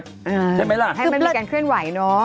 ให้มันมีการเคลื่อนไหวเนอะ